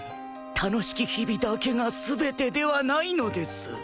楽しき日々だけが全てではないのです。